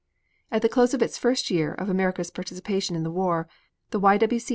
At the close of its first year of America's participation in the war, the Y.